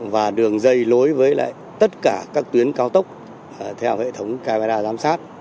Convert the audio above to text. và đường dây lối với lại tất cả các tuyến cao tốc theo hệ thống camera giám sát